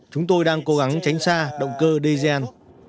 chúng tôi đang cố gắng tránh xa động cơ dan